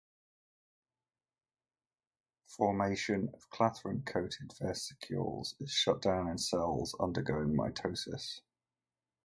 Formation of clathrin-coated vesicles is shut down in cells undergoing mitosis.